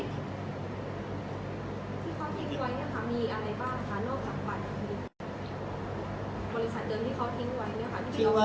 บริษัทเดิมที่เขาทิ้งไว้เนี่ยค่ะ